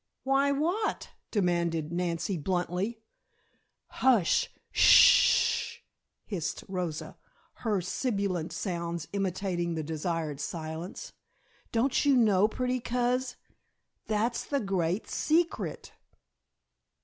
"Why what?" demanded Nancy, bluntly. "Hush! Sh hh! Whish th!" hissed Rosa, her sibilant sounds imitating the desired silence. "Don't you know, pretty Coz, that's the Great Secret?"